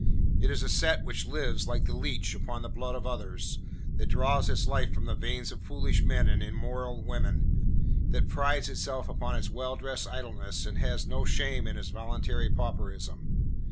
It is a set which lives, like the leech, upon the blood of others, that draws its life from the veins of foolish men and immoral women, that prides itself upon its well dressed idleness and has no shame in its voluntary pauperism.